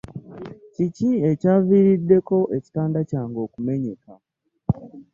Kiki ekyavirideko ekitanda kyange okumenyeka?